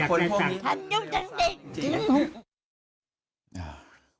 คนพวกนี้ทันยุ่งจังสิ่ง